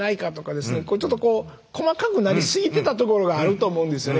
ちょっと細かくなりすぎてたところがあると思うんですよね